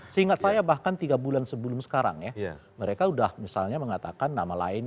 seingat saya bahkan tiga bulan sebelum sekarang ya mereka sudah misalnya mengatakan nama lain